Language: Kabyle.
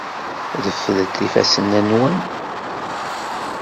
Refdet ifassen-nwen!